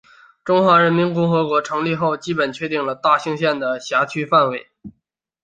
中华人民共和国成立后基本确定了大兴县的辖区范围。